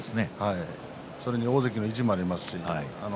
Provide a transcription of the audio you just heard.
それに大関の意地もあります。